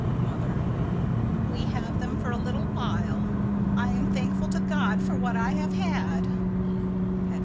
Mother: We have them for a little while. I am thankful to God for what I have had.